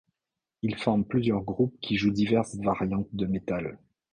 Ils forment plusieurs groupes qui jouent diverses variantes de métal.